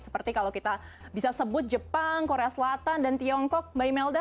seperti kalau kita bisa sebut jepang korea selatan dan tiongkok mbak imelda